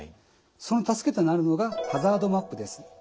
その助けとなるのがハザードマップです。